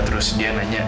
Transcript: terus dia nanya